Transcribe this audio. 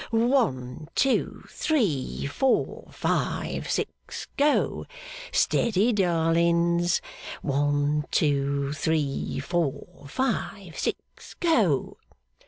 One, two, three, four, five, six go! Steady, darlings! One, two, three, four, five, six go!